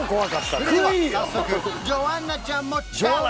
それでは早速ジョアンナちゃんもチャレンジ！